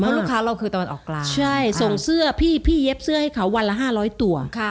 เพราะลูกค้าเราคือตะวันออกกลางใช่ส่งเสื้อพี่เย็บเสื้อให้เขาวันละ๕๐๐ตัว